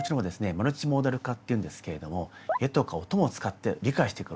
マルチモーダル化っていうんですけれども絵とか音も使って理解してくようになっていきます。